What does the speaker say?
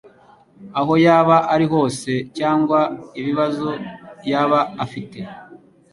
aho yaba ari hose cyangwa ibibazo yaba afite